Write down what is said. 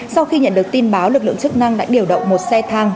sau khi nhận được tin báo lực lượng chức năng đã điều động một xe thang